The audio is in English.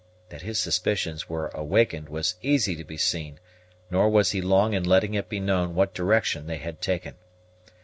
That his suspicions were awakened was easy to be seen, nor was he long in letting it be known what direction they had taken.